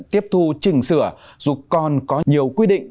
tiếp thu chỉnh sửa dù còn có nhiều quy định